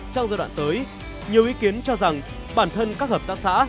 trong giai đoạn tới nhiều ý kiến cho rằng bản thân các hợp tác xã